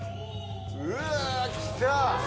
うわきた！